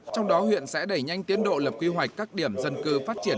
trong đó huyện sẽ đẩy nhanh tiến độ lập quy hoạch các điểm dân cư phát triển